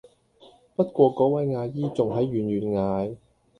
不過果位阿姨仲喺遠遠嗌